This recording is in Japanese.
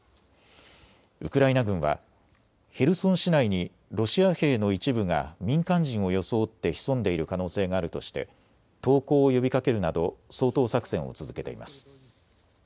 ウクライナ軍はヘルソン市内にロシア兵の一部が民間人を装って潜んでいる可能性があるとして投降を呼びかけるなど掃討作戦を続けています。